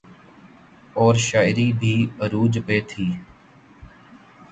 اورشاعری بھی عروج پہ تھی۔